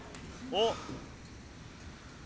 おっ！